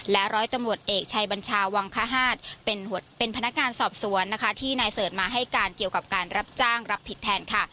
ร้อยตำรวจเอกชัยบัญชาวังคฮาศเป็นพนักงานสอบสวนนะคะที่นายเสิร์ชมาให้การเกี่ยวกับการรับจ้างรับผิดแทนค่ะ